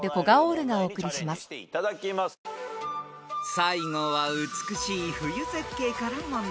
［最後は美しい冬絶景から問題］